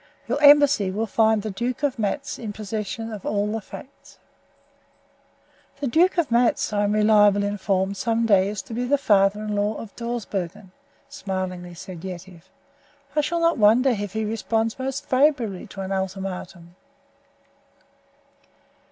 Your embassy will find the Duke of Matz in possession of all the facts." "The Duke of Matz, I am reliably informed, some day is to be father in law to Dawsbergen," smilingly said Yetive. "I shall not wonder if he responds most favorably to an ultimatum."